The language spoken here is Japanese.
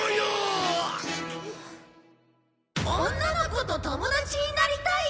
女の子と友達になりたい！？